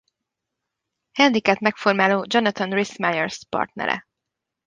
Henriket megformáló Jonathan Rhys Meyers partnere.